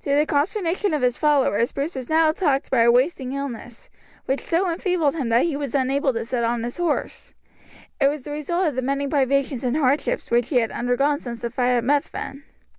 To the consternation of his followers Bruce was now attacked by a wasting illness, which so enfeebled him that he was unable to sit on his horse; it was the result of the many privations and hardships which he had undergone since the fight at Methven.